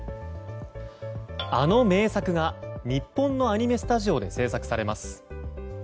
あの名作が日本のアニメスタジオで制作されます。